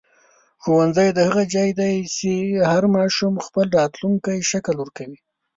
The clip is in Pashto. ښوونځی د هغه ځای دی چې هر ماشوم خپل راتلونکی شکل ورکوي.